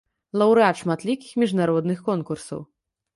Лаўрэат шматлікіх міжнародных конкурсаў.